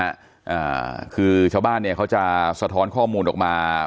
อ่าคือชาวบ้านเนี้ยเขาจะสะท้อนข้อมูลออกมา